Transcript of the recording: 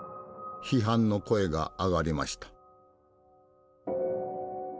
批判の声が上がりました。